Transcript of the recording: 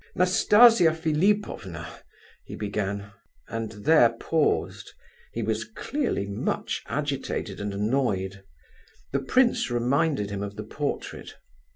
"Nastasia Philipovna," he began, and there paused; he was clearly much agitated and annoyed. The prince reminded him of the portrait.